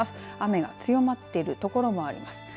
雨が強まっているところもあります。